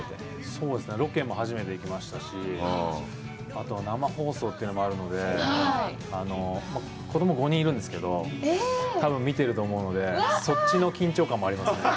そうですね、ロケにも初めて行きましたし、あとは生放送というのもあるので、子供５人いるんですけど、多分見てると思うので、そっちの緊張感もありますね。